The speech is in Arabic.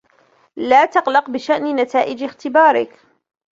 لا تقلق بشأن نتائج إختبارك.